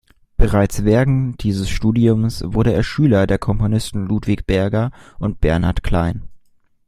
Bereits während dieses Studiums wurde er Schüler der Komponisten Ludwig Berger und Bernhard Klein.